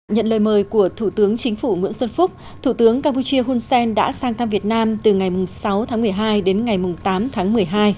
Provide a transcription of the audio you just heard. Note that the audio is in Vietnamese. nhận lời mời của thủ tướng chính phủ nguyễn xuân phúc thủ tướng campuchia hun sen đã sang thăm việt nam từ ngày sáu tháng một mươi hai đến ngày tám tháng một mươi hai